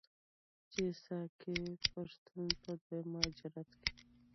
چې ساکي پښتنو په دویم مهاجرت کې،